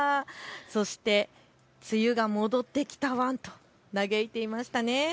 そして梅雨が戻ってきたワンと嘆いていましたね。